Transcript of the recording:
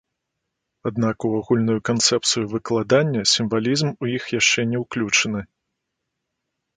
Аднак у агульную канцэпцыю выкладання сімвалізм у іх яшчэ не ўключаны.